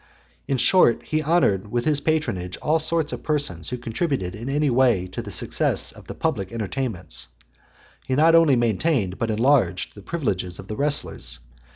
In short, he honoured with his patronage all sorts of people who contributed in any way to the success of the public entertainments. He not only maintained, but enlarged, the privileges of the wrestlers.